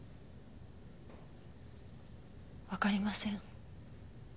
わかりません。